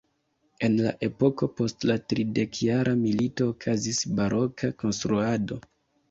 En la epoko post la tridekjara milito okazis baroka konstruado.